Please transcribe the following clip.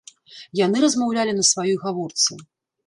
Яны размаўлялі на сваёй гаворцы.